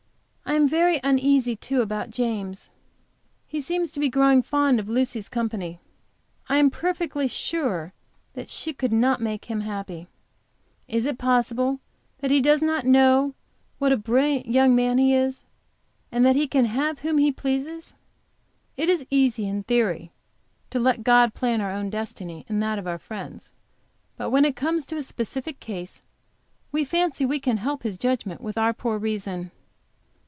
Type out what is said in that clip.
I am very uneasy, too, about James. He seems to be growing fond of Lucy's society. I am perfectly sure that she could not make him happy. Is it possible that he does not know what a brilliant young man he is, and that he can have whom he pleases? It is easy, in theory, to let God plan our own destiny, and that of our friends. But when it comes to a specific case we fancy we can help His judgments with our poor reason.